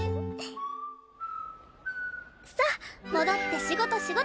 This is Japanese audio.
さあ戻って仕事仕事！